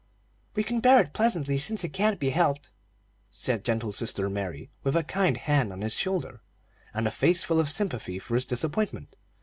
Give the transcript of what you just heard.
"We can bear it pleasantly, since it can't be helped," said gentle sister Mary, with a kind hand on his shoulder, and a face full of sympathy for his disappointment.